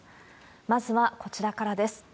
まずはこちらからです。